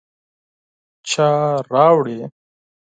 _چا راوړې ؟